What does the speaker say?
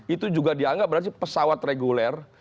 itu juga dianggap berarti pesawat reguler